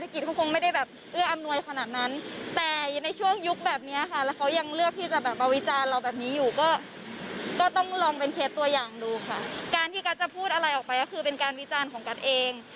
คือเป็นการวิจารณ์ของกับกัสเอง